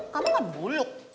kamu kan buluk